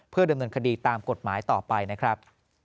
เพื่อดำเนินคดีตามกฎหมายต่อไปนะครับ